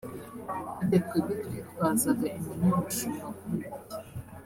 Harya twebwe twitwazaga inkoni y'ubushumba kubera iki